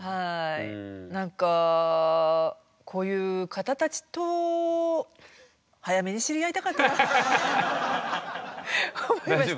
なんかこういう方たちと早めに知り合いたかったなって思いました。